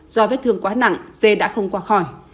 do vết thương quá nặng dê đã không qua khỏi